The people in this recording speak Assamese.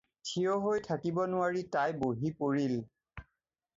থিয় হৈ থাকিব নোৱাৰি তাই বহি পৰিল।